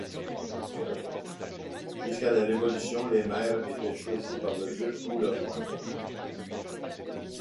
Jusqu'à la Révolution, les maires étaient choisis par le duc ou le roi.